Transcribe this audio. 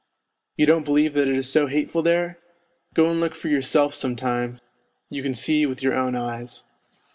You don't believe that it is so hateful there ? Go and look for yourself some time, you can see with your own eyes.